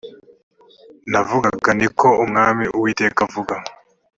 navugaga ni ko umwami uwiteka avuga